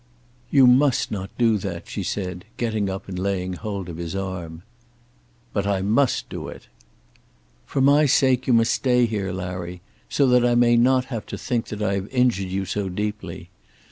"You must not do that," she said, getting up and laying hold of his arm. "But I must do it." "For my sake you must stay here, Larry; so that I may not have to think that I have injured you so deeply.